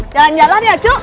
jalan jalan ya cuk